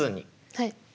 はい。